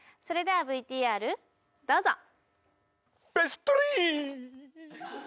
それではＶＴＲどうぞ！